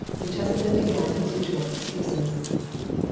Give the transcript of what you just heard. Mutesa then began his usual excuses.